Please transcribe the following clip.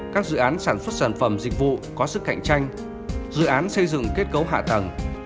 các dự án sản xuất sản phẩm dịch vụ có sức cạnh tranh dự án xây dựng kết cấu hạ tầng